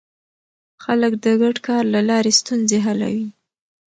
خلک د ګډ کار له لارې ستونزې حلوي